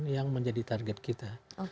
yang menjadi target kita